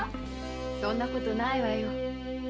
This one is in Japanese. そんな事ないわよ。